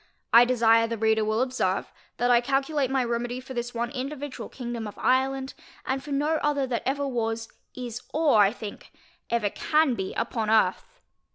I desire the reader will observe, that I calculate my remedy for this one individual Kingdom of Ireland, and for no other that ever was, is, or, I think, ever can be upon Earth.